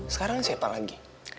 sekarang siapa lagi